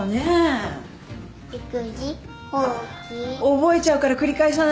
覚えちゃうから繰り返さないで。